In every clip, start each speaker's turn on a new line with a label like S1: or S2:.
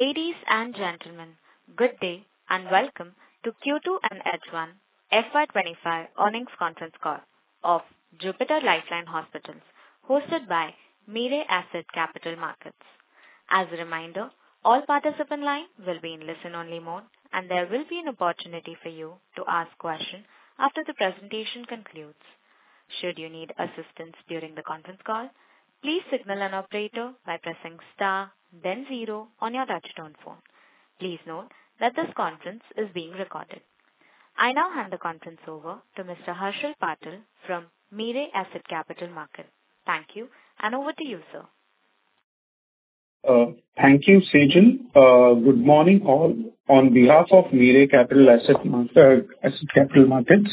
S1: Ladies and gentlemen, good day, and welcome to Q2 and H1 FY25 Earnings Conference Call of Jupiter Life Line Hospitals, hosted by Mirae Asset Capital Markets. As a reminder, all participants in line will be in listen-only mode, and there will be an opportunity for you to ask questions after the presentation concludes. Should you need assistance during the conference call, please signal an operator by pressing star then zero on your touchtone phone. Please note that this conference is being recorded. I now hand the conference over to Mr. Harshal Patil from Mirae Asset Capital Markets. Thank you, and over to you, sir.
S2: Thank you, Sejal. Good morning, all. On behalf of Mirae Asset Capital Markets,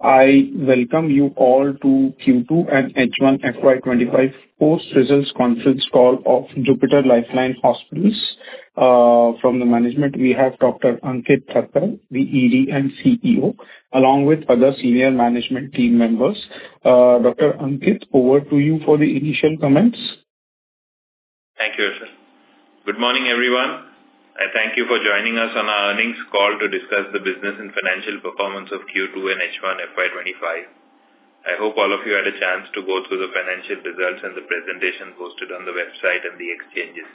S2: I welcome you all to Q2 and H1 FY25 Post-Results Conference Call of Jupiter Life Line Hospitals. From the management, we have Dr. Ankit Thakker, the ED and CEO, along with other senior management team members. Dr. Ankit, over to you for the initial comments.
S3: Thank you, Harshal. Good morning, everyone. I thank you for joining us on our Earnings Call to Discuss The Business and Financial Performance of Q2 and H1 FY25. I hope all of you had a chance to go through the financial results and the presentation posted on the website and the exchanges.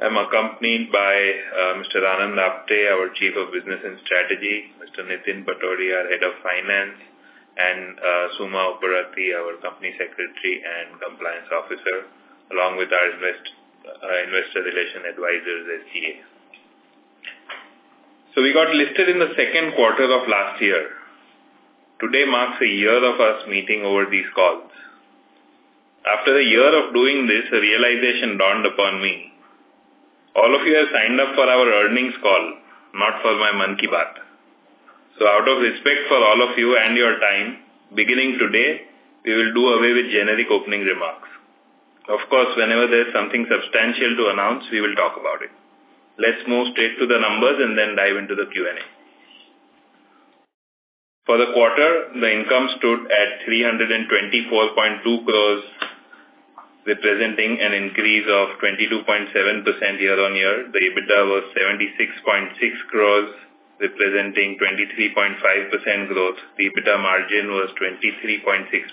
S3: I'm accompanied by Mr. Anand Apte, our Chief of Business and Strategy; Mr. Nitin Patodi, Head of Finance; and Suma Upparatti, our Company Secretary and Compliance Officer, along with our investor relations advisors, SGA. So we got listed in the second quarter of last year. Today marks a year of us meeting over these calls. After a year of doing this, a realization dawned upon me: All of you have signed up for our earnings call, not for my Mann Ki Baat. So out of respect for all of you and your time, beginning today, we will do away with generic opening remarks. Of course, whenever there's something substantial to announce, we will talk about it. Let's move straight to the numbers and then dive into the Q&A. For the quarter, the income stood at 324.2 crore, representing an increase of 22.7% year-on-year. The EBITDA was 76.6 crore, representing 23.5% growth. The EBITDA margin was 23.6%.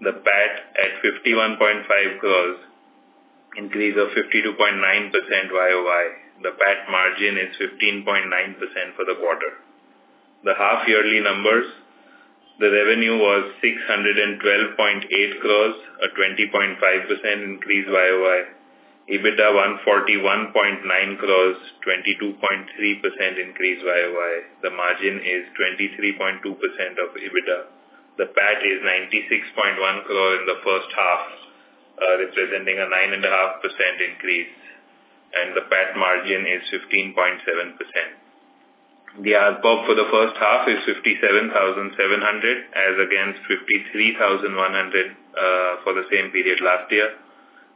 S3: The PAT at 51.5 crore, increase of 52.9% YoY. The PAT margin is 15.9% for the quarter. The half-yearly numbers: the revenue was 612.8 crore, a 20.5% increase YoY. EBITDA 141.9 crore, 22.3% increase YoY. The margin is 23.2% of EBITDA. The PAT is 96.1 crore in the first half, representing a 9.5% increase, and the PAT margin is 15.7%. The ARPOB for the first half is 57,700, as against 53,100 for the same period last year.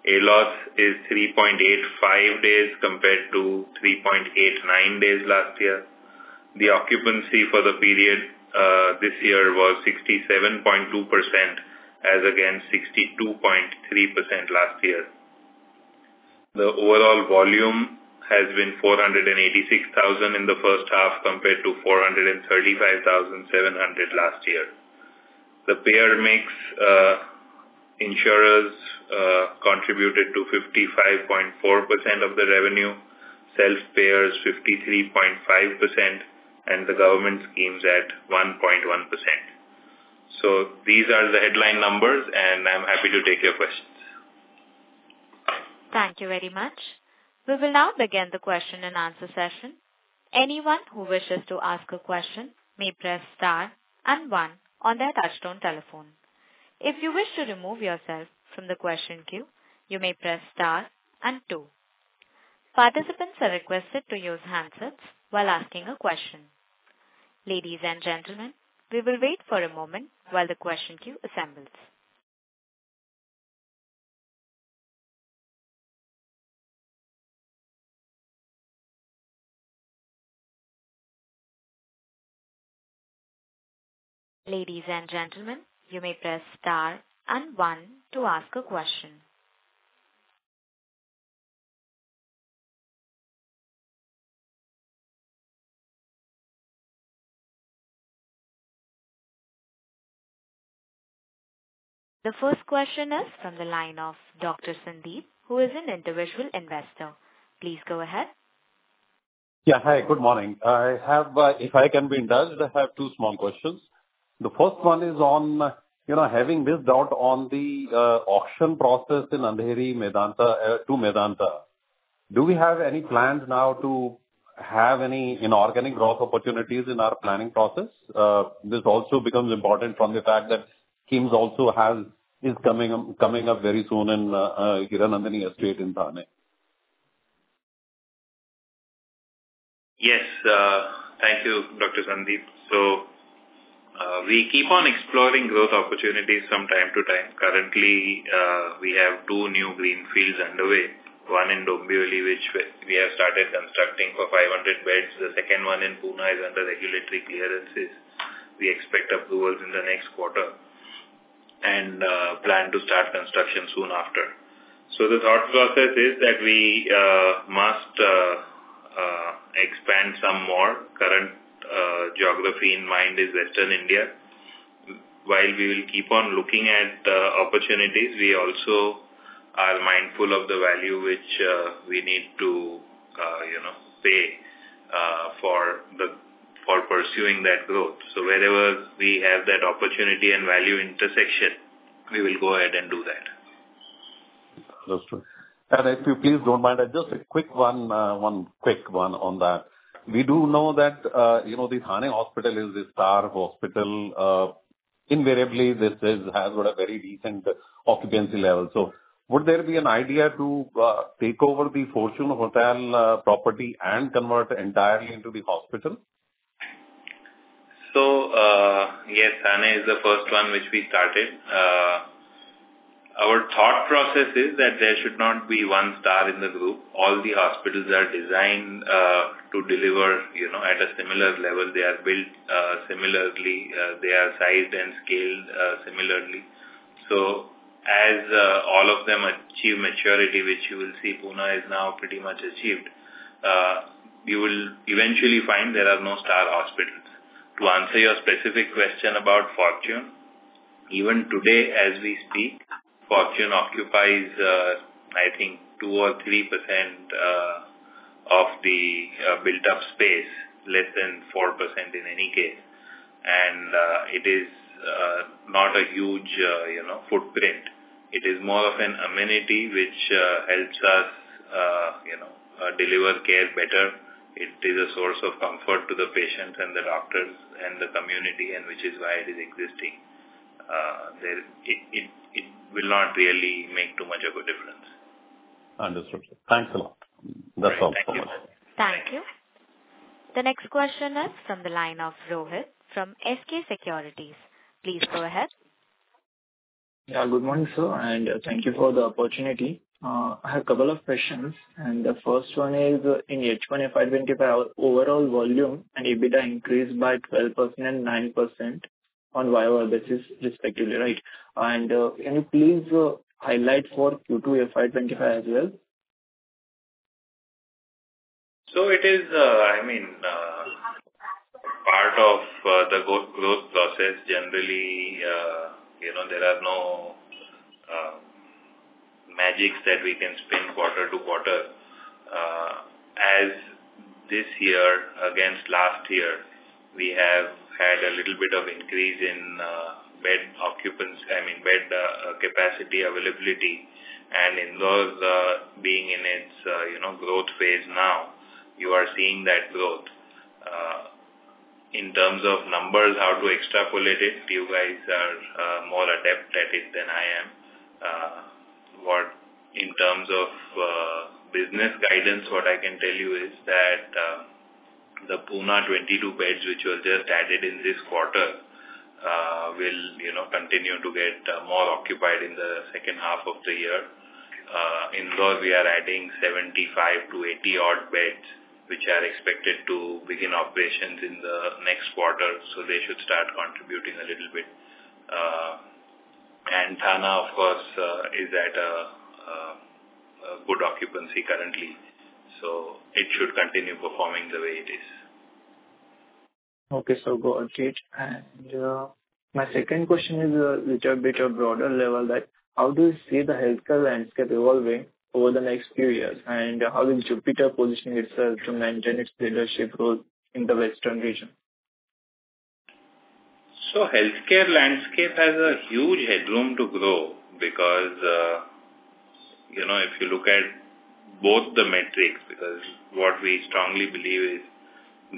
S3: ALOS is 3.85 days compared to 3.89 days last year. The occupancy for the period this year was 67.2%, as against 62.3% last year. The overall volume has been 486,000 in the first half, compared to 435,700 last year. The payer mix, insurers, contributed to 55.4% of the revenue, self-payers 53.5%, and the government schemes at 1.1%. So these are the headline numbers, and I'm happy to take your questions.
S1: Thank you very much. We will now begin the question-and-answer session. Anyone who wishes to ask a question may press star and one on their touchtone telephone. If you wish to remove yourself from the question queue, you may press star and two. Participants are requested to use handsets while asking a question. Ladies and gentlemen, we will wait for a moment while the question queue assembles. Ladies and gentlemen, you may press star and one to ask a question. The first question is from the line of Dr. Sandeep, who is an individual investor. Please go ahead.
S4: Yeah. Hi, good morning. I have, if I can be indulged, I have two small questions. The first one is on, you know, having missed out on the, auction process in Andheri, Medanta, to Medanta. Do we have any plans now to have any, you know, organic growth opportunities in our planning process? This also becomes important from the fact that KIMS also has, is coming up, coming up very soon in, Hiranandani Estate in Thane.
S3: Yes, thank you, Dr. Sandeep. So, we keep on exploring growth opportunities from time to time. Currently, we have two new greenfields underway, one in Dombivli, which we have started constructing for 500 beds. The second one in Pune is under regulatory clearances. We expect approvals in the next quarter and plan to start construction soon after. So the thought process is that we must expand some more. Current geography in mind is Western India. While we will keep on looking at opportunities, we also are mindful of the value which we need to, you know, pay for pursuing that growth. So wherever we have that opportunity and value intersection, we will go ahead and do that.
S4: Understood. If you please don't mind, just a quick one, one quick one on that. We do know that, you know, the Thane Hospital is the star hospital. Invariably, this is, has got a very decent occupancy level. So would there be an idea to, take over the Fortune Hotel, property and convert entirely into the hospital?
S3: So, yes, Thane is the first one which we started. Our thought process is that there should not be one star in the group. All the hospitals are designed, to deliver, you know, at a similar level. They are built, similarly. They are sized and scaled, similarly. So as all of them achieve maturity, which you will see, Pune is now pretty much achieved, you will eventually find there are no star hospitals. To answer your specific question about Fortune, even today as we speak, Fortune occupies, I think 2 or 3%, of the, built-up space, less than 4% in any case. It is not a huge, you know, footprint. It is more of an amenity, which, helps us, you know, deliver care better. It is a source of comfort to the patients and the doctors and the community, and which is why it is existing. It will not really make too much of a difference.
S4: Understood. Thanks a lot. That's all for now.
S1: Thank you. The next question is from the line of Rohit from SK Securities. Please go ahead.
S5: Yeah, good morning, sir, and thank you for the opportunity. I have a couple of questions, and the first one is, in H1 FY25, our overall volume and EBITDA increased by 12% and 9% on YoY basis, respectively, right? And, can you please, highlight for Q2 FY25 as well?
S3: So it is, I mean, part of the growth process. Generally, you know, there are no magics that we can spin quarter to quarter. As this year against last year, we have had a little bit of increase in bed occupancy, I mean, bed capacity availability. And in those, being in its, you know, growth phase now, you are seeing that growth. In terms of numbers, how to extrapolate it, you guys are more adept at it than I am. What. In terms of business guidance, what I can tell you is that the Pune 22 beds, which was just added in this quarter, will, you know, continue to get more occupied in the second half of the year. Indore, we are adding 75-80 odd beds, which are expected to begin operations in the next quarter, so they should start contributing a little bit. And Thane, of course, is at a good occupancy currently, so it should continue performing the way it is.
S5: Okay, so got it. And, my second question is, which are bit of broader level, that how do you see the healthcare landscape evolving over the next few years? And how is Jupiter positioning itself to maintain its leadership role in the Western region?
S3: Healthcare landscape has a huge headroom to grow because, you know, if you look at both the metrics, because what we strongly believe is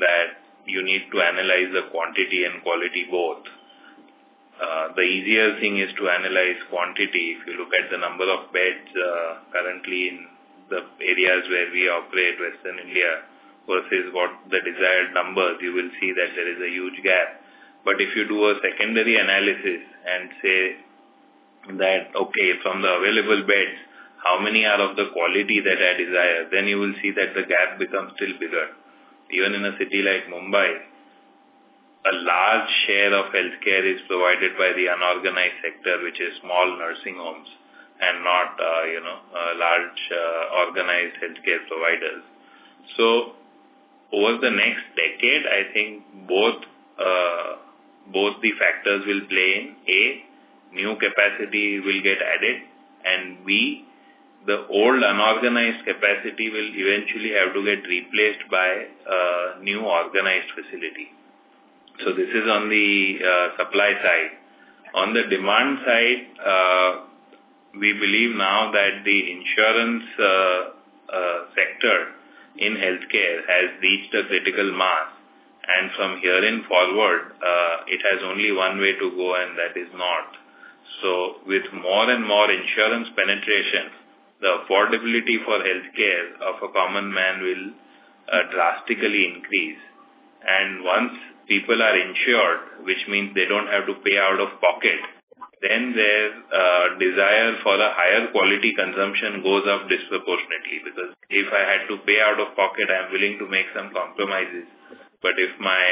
S3: that you need to analyze the quantity and quality both. The easier thing is to analyze quantity. If you look at the number of beds, currently in the areas where we operate, Western India, versus what the desired numbers, you will see that there is a huge gap. But if you do a secondary analysis and say that, "Okay, from the available beds, how many are of the quality that I desire?" Then you will see that the gap becomes still bigger. Even in a city like Mumbai, a large share of healthcare is provided by the unorganized sector, which is small nursing homes and not, you know, large, organized healthcare providers. So over the next decade, I think both the factors will play in: A, new capacity will get added, and B, the old unorganized capacity will eventually have to get replaced by a new organized facility. So this is on the supply side. On the demand side, we believe now that the insurance sector in healthcare has reached a critical mass, and from herein forward, it has only one way to go, and that is north. So with more and more insurance penetration, the affordability for healthcare of a common man will drastically increase. And once people are insured, which means they don't have to pay out of pocket, then their desire for the higher quality consumption goes up disproportionately. Because if I had to pay out of pocket, I am willing to make some compromises. But if my,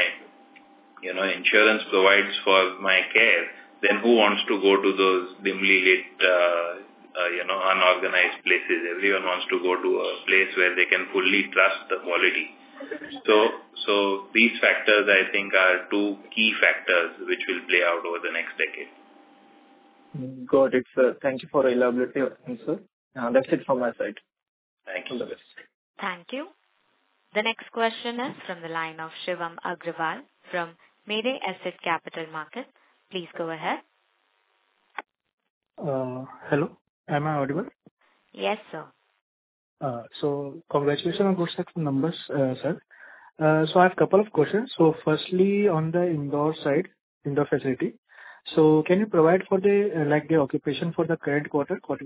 S3: you know, insurance provides for my care, then who wants to go to those dimly lit, you know, unorganized places? Everyone wants to go to a place where they can fully trust the quality. So these factors, I think, are two key factors which will play out over the next decade.
S5: Got it, sir. Thank you for availability of answer. That's it from my side.
S3: Thank you. All the best.
S1: Thank you. The next question is from the line of Shivam Agrawal from Mirae Asset Capital Markets. Please go ahead.
S6: Hello, am I audible?
S1: Yes, sir.
S6: So congratulations on good Q2 numbers, sir. So I have a couple of questions. So firstly, on the Indore side, Indore facility. So can you provide, like, the occupancy for the current quarter, Q2?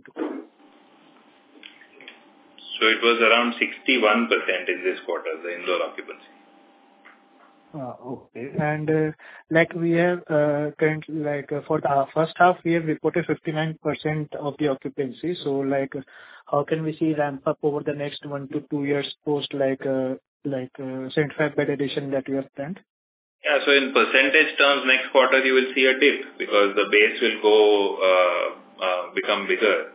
S3: It was around 61% in this quarter, the Indore occupancy.
S6: Okay. And, like we have currently, like, for the first half, we have reported 59% of the occupancy. So, like, how can we see ramp up over the next 1-2 years post, like, 75-bed addition that we have planned?
S3: Yeah. So in percentage terms, next quarter you will see a dip because the base will become bigger.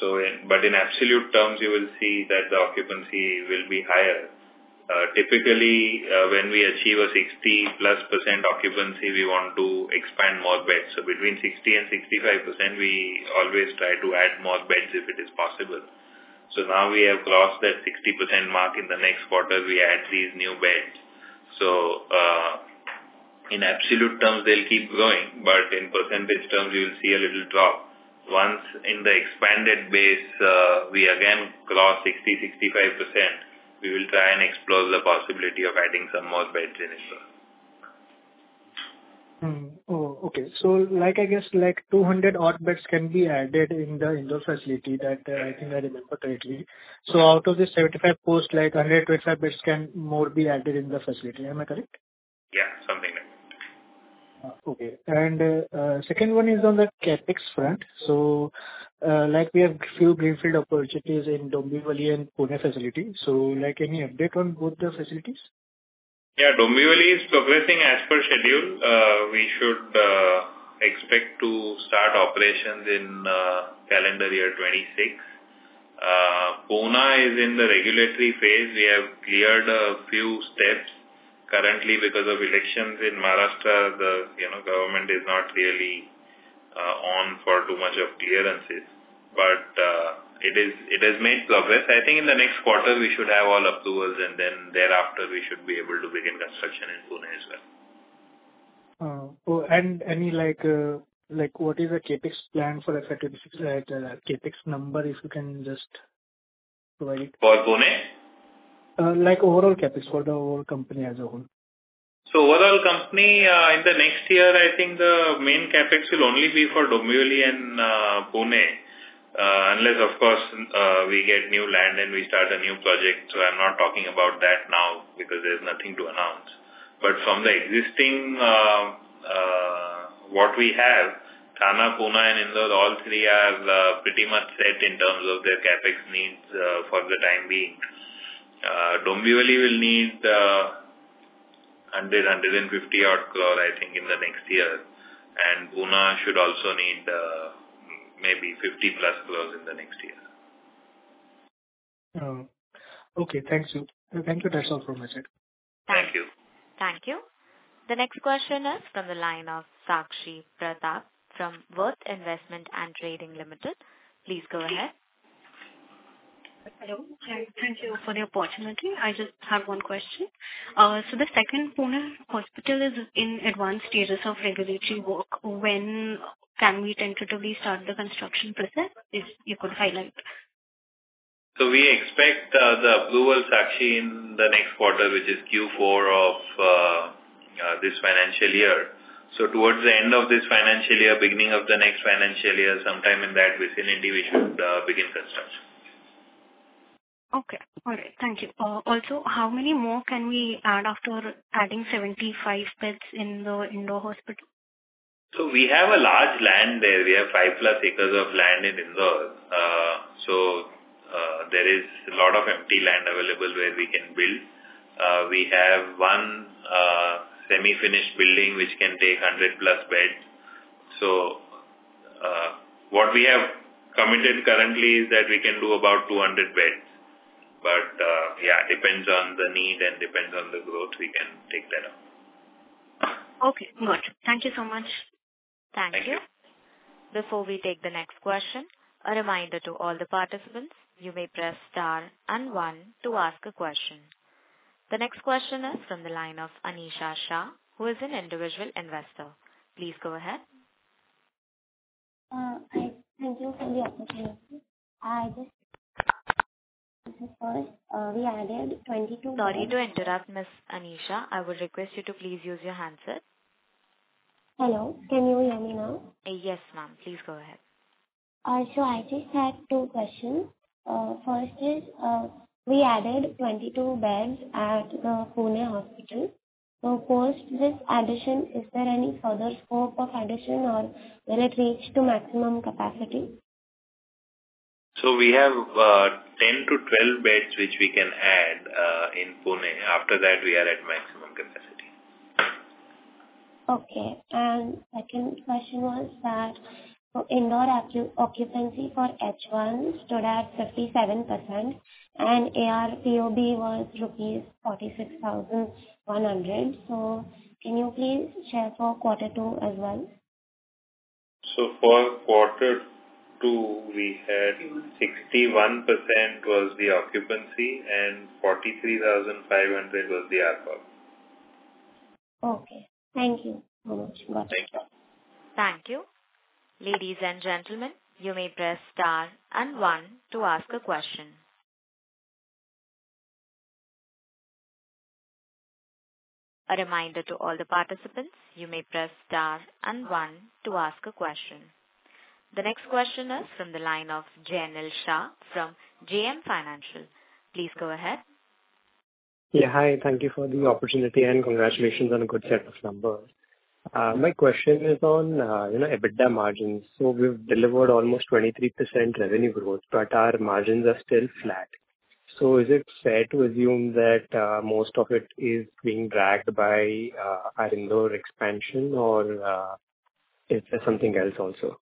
S3: So, but in absolute terms, you will see that the occupancy will be higher. Typically, when we achieve a 60%+ occupancy, we want to expand more beds. So between 60%-65%, we always try to add more beds if it is possible. So now we have crossed that 60% mark, in the next quarter, we add these new beds. So, in absolute terms, they'll keep growing, but in percentage terms you will see a little drop. Once in the expanded base, we again cross 60%, 65%, we will try and explore the possibility of adding some more beds in Indore.
S6: Hmm. Oh, okay. So like, I guess, like 200 odd beds can be added in the Indore facility that.
S3: Right.
S6: I think I remember correctly. So out of the 75 post, like 100 beds can more be added in the facility. Am I correct?
S3: Yeah, something like that.
S6: Okay. Second one is on the CapEx front. Like we have few greenfield opportunities in Dombivli and Pune facility. Like, any update on both the facilities?
S3: Yeah, Dombivli is progressing as per schedule. We should expect to start operations in calendar year 2026. Pune is in the regulatory phase. We have cleared a few steps. Currently, because of elections in Maharashtra, the, you know, government is not really on for too much of clearances, but it is, it has made progress. I think in the next quarter we should have all approvals, and then thereafter, we should be able to begin construction in Pune as well.
S6: So, and any, like, what is the CapEx plan for the facilities, right, CapEx number, if you can just provide?
S3: For Pune?
S6: Like overall CapEx for the whole company as a whole.
S3: Overall company, in the next year, I think the main CapEx will only be for Dombivli and Pune. Unless, of course, we get new land and we start a new project. I'm not talking about that now because there's nothing to announce. But from the existing, what we have, Thane, Pune and Indore, all three are pretty much set in terms of their CapEx needs for the time being. Dombivli will need 150-odd crore, I think, in the next year. And Pune should also need maybe 50+ crore in the next year.
S6: Oh, okay. Thank you. Thank you. That's all from my side.
S3: Thank you.
S1: Thank you. The next question is from the line of Sakshi Pratap from Worth Investment and Trading Limited. Please go ahead.
S7: Hello. Thank you for the opportunity. I just have one question. So the second Pune hospital is in advanced stages of regulatory work. When can we tentatively start the construction process, if you could highlight?
S3: So we expect the approval, Sakshi, in the next quarter, which is Q4 of this financial year. So towards the end of this financial year, beginning of the next financial year, sometime in that, within India, we should begin construction.
S7: Okay. All right. Thank you. Also, how many more can we add after adding 75 beds in the Indore Hospital?
S3: We have a large land there. We have 5+ acres of land in Indore. There is a lot of empty land available where we can build. We have one semi-finished building, which can take 100+ beds. What we have committed currently is that we can do about 200 beds, but yeah, it depends on the need and depends on the growth, we can take that up.
S7: Okay, got it. Thank you so much.
S1: Thank you.
S3: Thank you.
S1: Before we take the next question, a reminder to all the participants, you may press Star and one to ask a question. The next question is from the line of Anisha Shah, who is an individual investor. Please go ahead.
S8: I thank you for the opportunity. I just. we added 22.
S1: Sorry to interrupt, Miss Anisha. I would request you to please use your handset.
S8: Hello, can you hear me now?
S1: Yes, ma'am, please go ahead.
S8: So I just had two questions. First is, we added 22 beds at the Pune hospital. So post this addition, is there any further scope of addition, or will it reach to maximum capacity?
S3: So we have 10-12 beds, which we can add in Pune. After that, we are at maximum capacity.
S8: Okay. Second question was that, so Indore occupancy for H1 stood at 57% and ARPOB was rupees 46,100. So can you please share for Q2 as well?
S3: For quarter two, we had 61% was the occupancy and 43,500 was the ARPOB.
S8: Okay. Thank you very much. Bye.
S3: Thank you.
S1: Thank you. Ladies and gentlemen, you may press Star and One to ask a question. A reminder to all the participants, you may press Star and One to ask a question. The next question is from the line of Jenil Shah from JM Financial. Please go ahead.
S9: Yeah. Hi, thank you for the opportunity, and congratulations on a good set of numbers. My question is on, you know, EBITDA margins. So we've delivered almost 23% revenue growth, but our margins are still flat. So is it fair to assume that most of it is being dragged by our Indore expansion or is there something else also?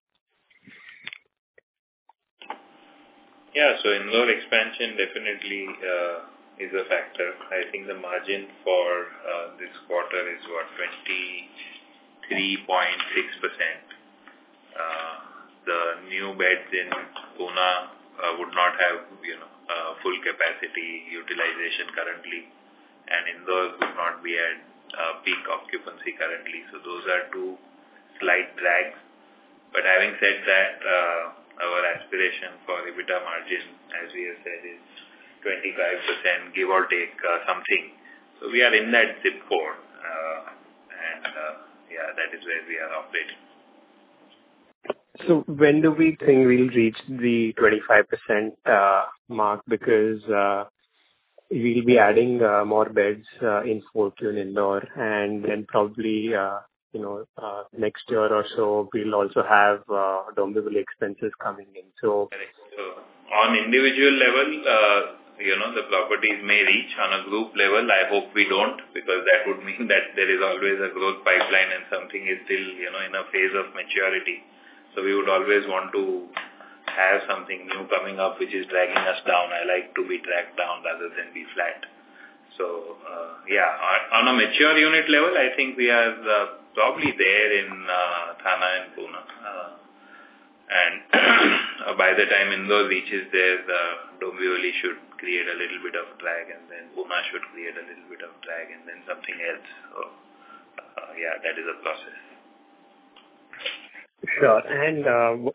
S3: Yeah. So Indore expansion definitely is a factor. I think the margin for this quarter is what? 23.6%. The new beds in Pune would not have, you know, full capacity utilization currently, and Indore would not be at peak occupancy currently. So those are two slight drags. But having said that, our aspiration for EBITDA margin, as we have said, is 25%, give or take something. So we are in that zip code, and yeah, that is where we are updated.
S9: So when do we think we'll reach the 25% mark? Because we'll be adding more beds in Fortune, Indore and then probably, you know, next year or so, we'll also have Dombivli expenses coming in, so.
S3: On individual level, you know, the properties may reach. On a group level, I hope we don't, because that would mean that there is always a growth pipeline and something is still, you know, in a phase of maturity. So we would always want to have something new coming up, which is dragging us down. I like to be dragged down rather than be flat. So, yeah, on a mature unit level, I think we are probably there in Thane and Pune. And by the time Indore reaches there, the Dombivli should create a little bit of drag and then Pune should create a little bit of drag and then something else. So, yeah, that is a process.
S9: Sure.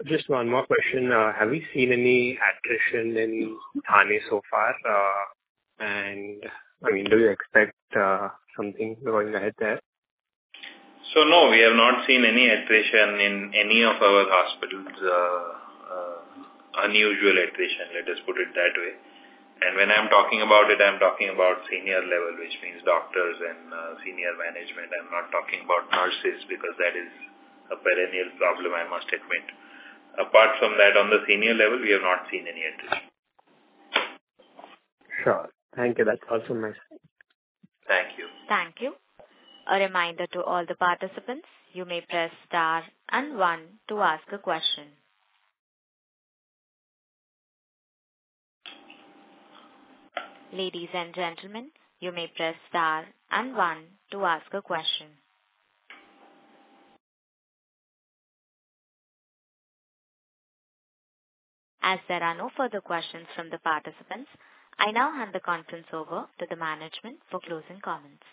S9: Just one more question. Have you seen any attrition in Thane so far? And, I mean, do you expect something going ahead there?
S3: No, we have not seen any attrition in any of our hospitals. Unusual attrition, let us put it that way. When I'm talking about it, I'm talking about senior level, which means doctors and senior management. I'm not talking about nurses, because that is a perennial problem, I must admit. Apart from that, on the senior level, we have not seen any attrition.
S9: Sure. Thank you. That's also nice.
S3: Thank you.
S1: Thank you. A reminder to all the participants, you may press Star and One to ask a question. Ladies and gentlemen, you may press Star and One to ask a question. As there are no further questions from the participants, I now hand the conference over to the management for closing comments.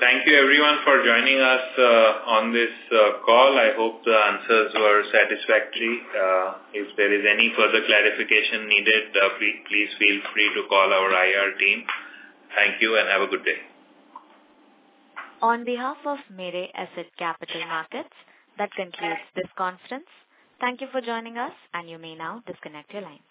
S3: Thank you everyone for joining us on this call. I hope the answers were satisfactory. If there is any further clarification needed, please, please feel free to call our IR team. Thank you and have a good day.
S1: On behalf of Mirae Asset Capital Markets, that concludes this conference. Thank you for joining us, and you may now disconnect your lines.